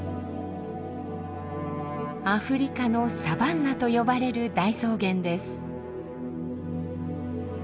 アフリカのサバンナと呼ばれる大草原です。